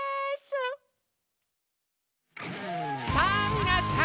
さぁみなさん！